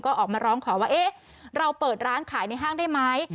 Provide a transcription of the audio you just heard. ก็ออกมาร้องขอว่าเอ๊ะเราเปิดร้านขายในห้างได้ไหม